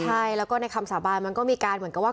ใช่แล้วก็ในคำสาบานมันก็มีการเหมือนกับว่า